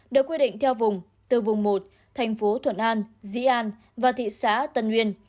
được quy định theo vùng từ vùng một thành phố thuận an dĩ an và thị xã tân uyên